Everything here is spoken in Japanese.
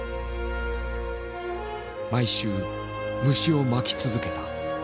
毎週虫をまき続けた。